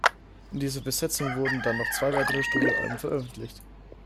In dieser Besetzung wurden dann noch zwei weitere Studio-Alben veröffentlicht.